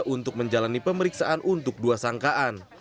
untuk menjalani pemeriksaan untuk dua sangkaan